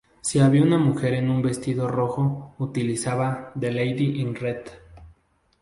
Si había una mujer en un vestido rojo utilizaba "The Lady in Red".